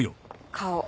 顔